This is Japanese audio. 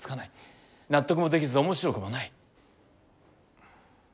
納得もできず面白くもない。